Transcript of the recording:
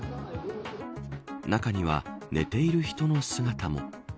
中には、寝ている人の姿も。